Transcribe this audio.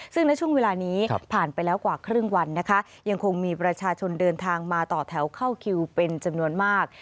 ซึ่งณช่วงเวลานี้ผ่านไปแล้วกว่าครึ่งวันนะคะยังคงมีประชาชนเดินทางมาต่อแถวเข้าคิวเป็นจำนวนมาก